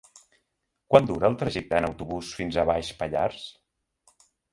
Quant dura el trajecte en autobús fins a Baix Pallars?